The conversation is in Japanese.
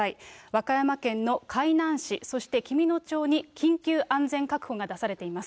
和歌山県の海南市、そして紀美野町に緊急安全確保が出されています。